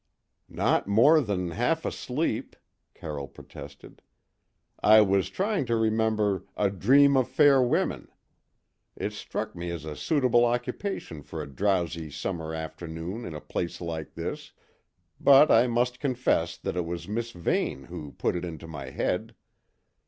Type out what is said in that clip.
"Not more than half asleep," Carroll protested. "I was trying to remember 'A Dream of Fair Women.' It struck me as a suitable occupation for a drowsy summer afternoon in a place like this, but I must confess that it was Miss Vane who put it into my head.